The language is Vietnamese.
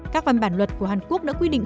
các văn bản luật của hàn quốc đã quy định